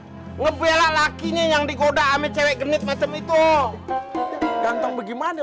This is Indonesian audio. gue lagi berjihad ngebela lakinya yang digoda ame cewek genit macam itu ganteng bagaimana